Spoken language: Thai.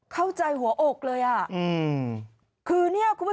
เข้าใจหัวอกเลย